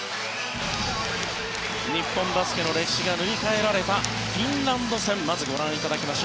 日本バスケの歴史が塗り替えられたフィンランド戦をまずご覧いただきます。